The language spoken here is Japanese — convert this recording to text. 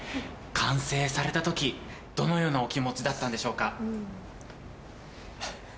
完成された時どのようなお気持ちだったんでしょうか？